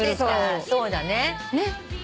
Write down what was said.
そうだね。